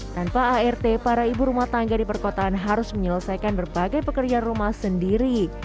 tanpa art para ibu rumah tangga di perkotaan harus menyelesaikan berbagai pekerjaan rumah sendiri